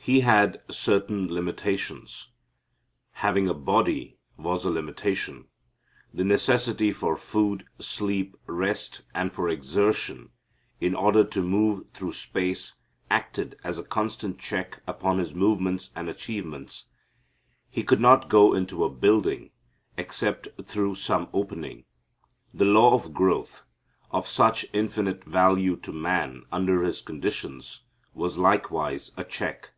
He had certain limitations. Having a body was a limitation. The necessity for food, sleep, rest, and for exertion in order to move through space acted as a constant check upon his movements and achievements. He could not go into a building except through some opening. The law of growth, of such infinite value to man under his conditions, was likewise a check.